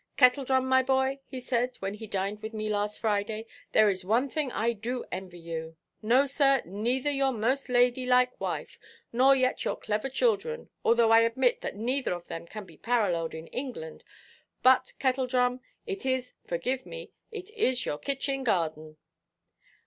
'Kettledrum, my boy,' he said, when he dined with me last Friday, 'there is one thing I do envy you—no, sir, neither your most lady–like wife, nor yet your clever children, although I admit that neither of them can be paralleled in England—but, Kettledrum, it is—forgive me—it is your kitchen–garden.